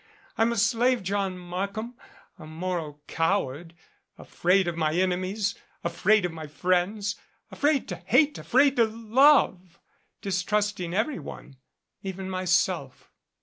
I'm a slave, John Mark ham, a moral coward, afraid of my enemies afraid of my friends, afraid to hate, afraid to love distrusting every one even myself."